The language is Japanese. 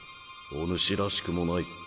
お主らしくもない。